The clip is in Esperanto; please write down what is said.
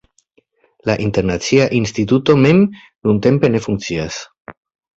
La Internacia Instituto mem nuntempe ne funkcias.